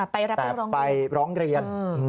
ไปรับร้องเรียนไปร้องเรียน